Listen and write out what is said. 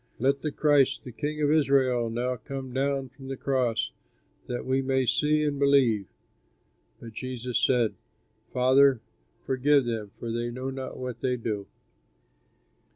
Let the Christ, the 'King of Israel,' now come down from the cross, that we may see and believe!" But Jesus said, "Father, forgive them, for they know not what they do."